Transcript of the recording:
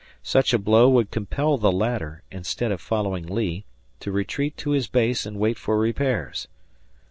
Such a blow would compel the latter, instead of following Lee, to retreat to his base and wait for repairs.